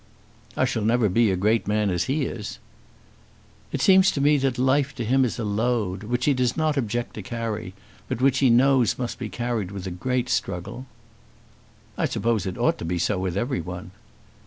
"I shall never be a great man as he is." "It seems to me that life to him is a load; which he does not object to carry, but which he knows must be carried with a great struggle." "I suppose it ought to be so with everyone."